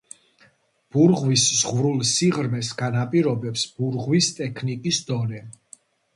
ბურღვის ზღვრულ სიღრმეს განაპირობებს ბურღვის ტექნიკის დონე.